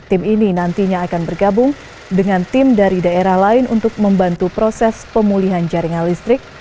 tim ini nantinya akan bergabung dengan tim dari daerah lain untuk membantu proses pemulihan jaringan listrik